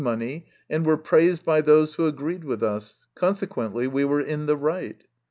17 money, and were praised by those who agreed with us, consequently we were in the right.